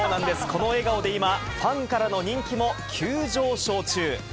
この笑顔で今、ファンからの人気も急上昇中。